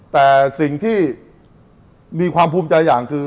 แต่อัสสิ่งที่มีความภูมิจารย์อย่างคือ